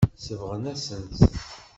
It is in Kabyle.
Sebɣen-asent-tt.